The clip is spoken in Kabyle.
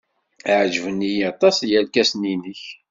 Ɛejben-iyi aṭas yerkasen-nnek.